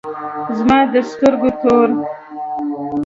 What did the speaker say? زما د سترگو تور